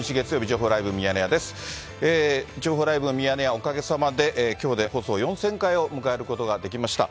情報ライブのミヤネ屋、おかげさまで、きょうで放送４０００回を迎えることができました。